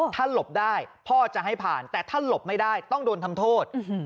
ถ้าหลบได้พ่อจะให้ผ่านแต่ถ้าหลบไม่ได้ต้องโดนทำโทษ